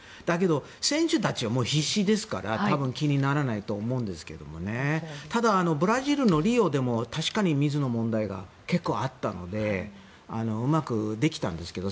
選手たちは必死ですから気にならないと思うんですがただ、ブラジルのリオでも確かに水の問題が結構あったのでうまくできたんですけど